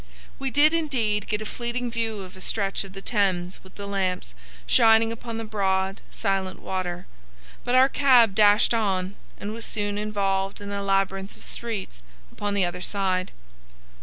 We did indeed get a fleeting view of a stretch of the Thames with the lamps shining upon the broad, silent water; but our cab dashed on, and was soon involved in a labyrinth of streets upon the other side.